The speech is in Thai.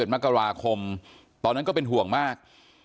มกราคมตอนนั้นก็เป็นห่วงมาก